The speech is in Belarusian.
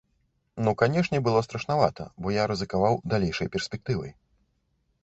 Ну, канешне, было страшнавата, бо я рызыкаваў далейшай перспектывай.